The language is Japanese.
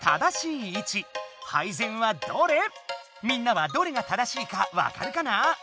みんなはどれが正しいかわかるかな？